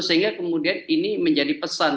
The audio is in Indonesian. sehingga kemudian ini menjadi pesan